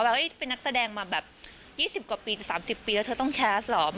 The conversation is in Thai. ว่าเป็นนักแสดงมาแบบ๒๐กว่าปีจะ๓๐ปีแล้วเธอต้องแคสต์เหรอ